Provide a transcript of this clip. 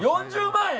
４０万円？